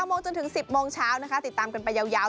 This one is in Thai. โมงจนถึง๑๐โมงเช้านะคะติดตามกันไปยาว